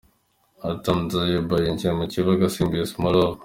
Artem Dzyuba yinjiye mu kibuga asimbuye Smolov.